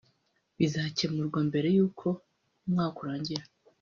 bizacyemurwa mbere y’uko umwaka urangira